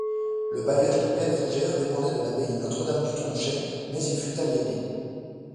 Le bailliage de Pleine-Fougères dépendait de l'abbaye Notre-Dame du Tronchet, mais il fut aliéné.